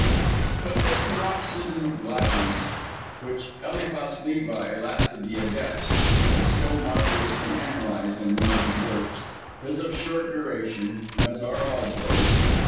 But this paroxysm of gladness which Eliphas Lévi, last of the Adepts, has so marvellously analysed in one of his works is of short duration, as are all joys.